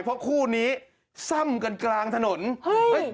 เพราะคู่นี้ซ่ำกันกลางถนนเฮ้ย